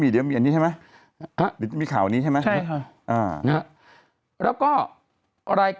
เดี๋ยวมีข่าวนี้ใช่ไหม